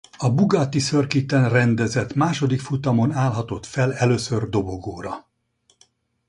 A Bugatti Circuit-en rendezett második futamon állhatott fel először dobogóra.